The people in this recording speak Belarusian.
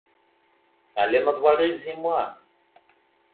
Але на двары зіма!